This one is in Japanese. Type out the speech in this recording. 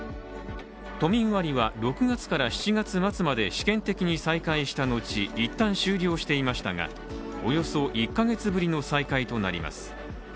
都民割は６月から７月末まで試験的に再開した後一旦終了していましたがおよそ１カ月ぶりの再開となります。